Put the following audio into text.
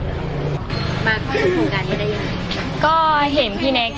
มาฝึกโครงการนี้ได้ยังไง